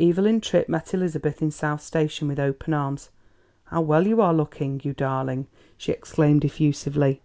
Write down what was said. Evelyn Tripp met Elizabeth in South Station with open arms. "How well you are looking, you darling!" she exclaimed effusively.